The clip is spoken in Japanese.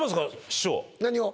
師匠何を？